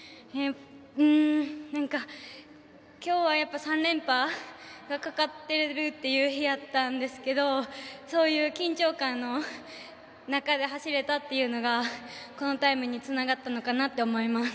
今日は３連覇がかかっているという日やったんですけどそういう緊張感の中で走れたというのがこのタイムにつながったのかなと思います。